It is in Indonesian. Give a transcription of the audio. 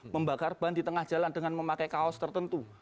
membakar ban di tengah jalan dengan memakai kaos tertentu